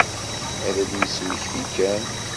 Ad d-nesmekti kan.